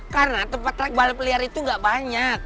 karena tempat track balap liar itu gak banyak